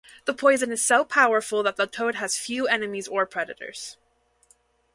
The poison is so powerful that the toad has few enemies or predators.